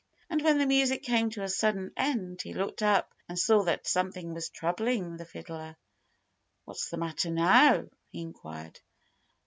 And when the music came to a sudden end he looked up and saw that something was troubling the fiddler. "What's the matter now?" he inquired.